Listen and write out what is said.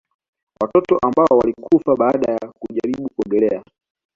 Watoto ambao walikufa baada ya kujaribu kuogelea